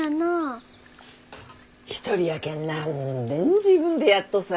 一人やけん何でん自分でやっとさ。